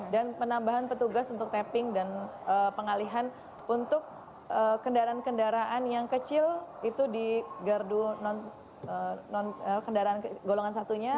dan penambahan petugas untuk tapping dan pengalihan untuk kendaraan kendaraan yang kecil itu di gardu golongan satunya